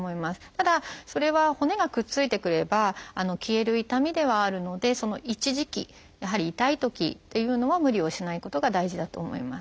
ただそれは骨がくっついてくれば消える痛みではあるのでその一時期やはり痛いときというのは無理をしないことが大事だと思います。